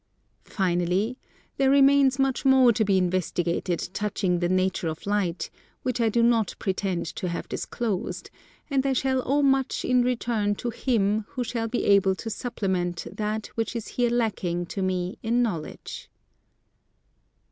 Finally, there remains much more to be investigated touching the nature of Light which I do not pretend to have disclosed, and I shall owe much in return to him who shall be able to supplement that which is here lacking to me in knowledge.